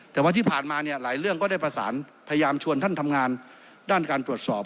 แต่ว่าที่ผ่านมาเนี่ยหลายเรื่องก็ได้ประสานพยายามชวนท่านทำงานด้านการตรวจสอบ